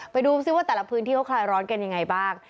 ไปดูซิว่าแต่ละพื้นที่เขาคลายร้อนกันยังไงบ้าง